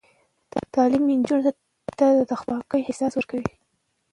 تعلیم نجونو ته د خپلواکۍ احساس ورکوي.